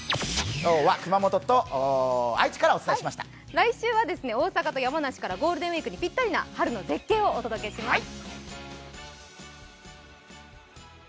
来週は大阪と山梨からゴールデンウイークにぴったりな春の絶景をお届けします。